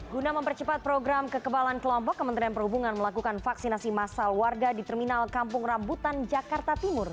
guna mempercepat program kekebalan kelompok kementerian perhubungan melakukan vaksinasi massal warga di terminal kampung rambutan jakarta timur